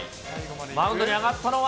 マウンドに上がったのは。